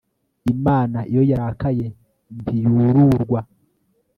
imana iyo yarakaye ntiyururwa